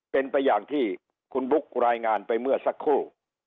เป็นไปอย่างที่คุณบุ๊ครายงานไปเมื่อสักครู่